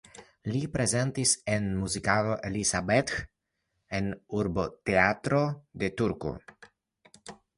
Li prezentis en muzikalo Elisabeth en urbteatro de Turku.